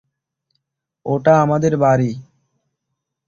ওটা আমাদের বাড়ি।